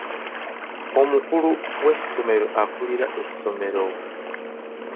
Omukulu w'essomero akulira essomero.